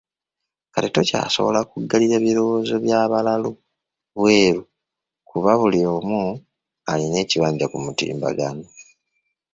Kati tokyasobola kuggalira birowoozo bya balalu bweru kuba buli omu alina ekibanja ku mutimbagano